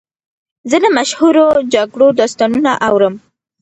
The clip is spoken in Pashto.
زه د مشهورو جګړو داستانونه اورم.